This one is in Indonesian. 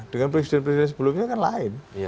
dengan presiden presiden sebelumnya kan lain